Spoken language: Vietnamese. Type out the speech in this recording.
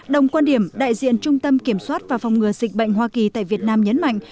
đồng quan điểm đại diện trung tâm kiểm soát và phòng ngừa dịch bệnh hoa kỳ tại việt nam nhấn mạnh